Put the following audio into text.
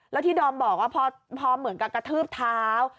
แล้วที่ดอมบอกว่าพอเหมือนกับกระทืบเท้า